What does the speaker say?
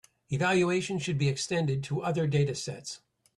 Evaluation should be extended to other datasets.